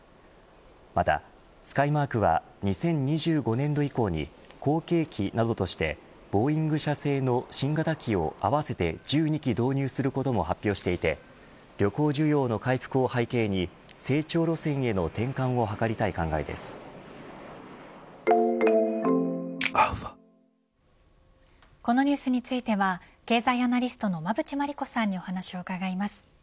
またスカイマークは２０２５年度以降に後継機などとしてボーイング社製の新型機をあわせて１２機導入することも発表していて旅行需要の回復を背景に成長路線へのこのニュースについては経済アナリストの馬渕磨理子さんにお話を伺います。